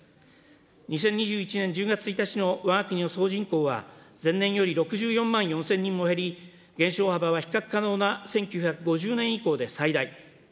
２０２１年１０月１日のわが国の総人口は、前年より６４万４０００人も減り、減少幅は比較可能な１９５０年以降で、最大。